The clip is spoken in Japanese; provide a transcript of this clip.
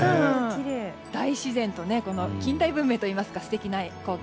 大自然と近代文明といいますか素敵な光景。